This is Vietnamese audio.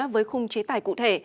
với khung chế tài cụ thể